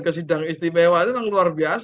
ke sidang istimewa itu memang luar biasa